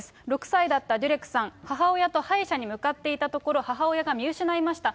６歳だったデュレクさん、母親と歯医者に向かっていたところ、母親が見失いました。